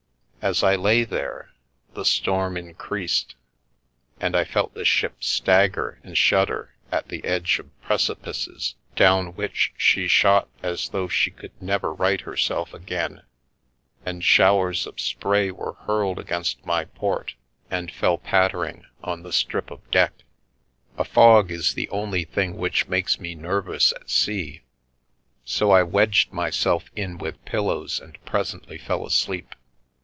As I lay there, the storm increased, and I felt the ship stagger and shudder at the edge of precipices down which she shot as though she could never right herself again, and showers of spray were hurled against my port and fell pattering on the strip of deck. A fog is the only thing which makes me nervous at sea, so I wedged myself in with pillows and presently fell asleep.